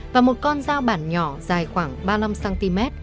và một con dao bản nhỏ dài khoảng ba mươi năm cm